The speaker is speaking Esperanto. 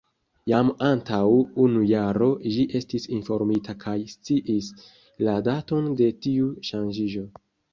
Jam antaŭ unu jaro ĝi estis informita kaj sciis la daton de tiu ŝanĝiĝo.